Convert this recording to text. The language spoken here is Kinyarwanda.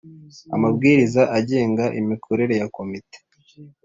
amabwiriza agenga imikorere ya komite